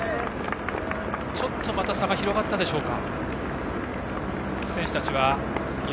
ちょっとまた差が広がったでしょうか。